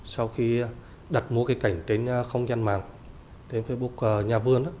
sau khi đặt mua cây cảnh trên không gian mạng trên facebook nhà buôn